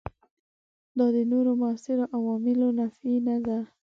دا د نورو موثرو عواملونو نفي نه ده.